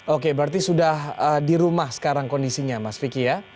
oke berarti sudah di rumah sekarang kondisinya mas vicky ya